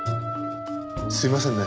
すいませんね。